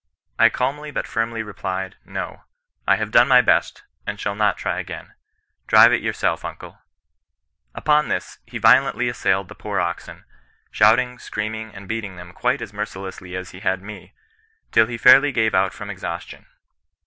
I calmly but firmly replied, No; I have done my best, and shall not try again ; drive it yourself, CHRISTIAN NON RESISTANCE. 95 uncle. Upon tliis he violently assailed the poor oxen, shouting, screaming, and beating them quite as merci lessly as he had me, till he fairly gave out from exhaus tion.